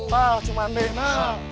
pak cuma anda